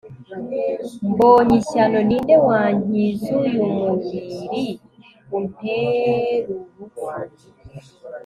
Mbony ishyano ni nde wankizuyu mubiri unterurupfu